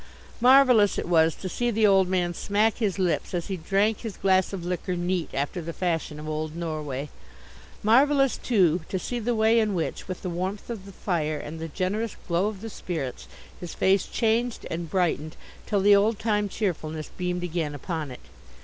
Marvellous it was to see the old man smack his lips as he drank his glass of liquor neat after the fashion of old Norway. Marvellous, too, to see the way in which, with the warmth of the fire and the generous glow of the spirits, his face changed and brightened till the old time cheerfulness beamed again upon it.